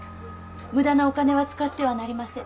無駄なお金はつかってはなりません。